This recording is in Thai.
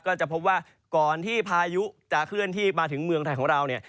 ก็จะพบว่าก่อนที่พายุจะเคลื่อนที่มาถึงเมืองไทยของเราเนี่ย